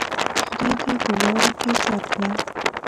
خدای دې په واورو کې ايسار کړه.